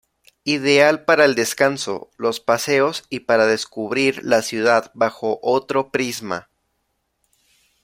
Ideal para el descanso, los paseos, y para descubrir la ciudad bajo otro prisma.